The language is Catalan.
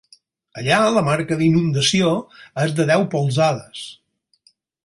Allà la marca d'inundació és de deu polzades.